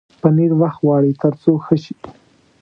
پنېر وخت غواړي تر څو ښه شي.